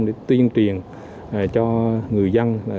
để tuyên truyền cho người dân